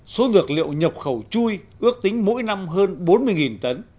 số dược liệu nhập khẩu chui ước tính mỗi năm hơn bốn mươi tấn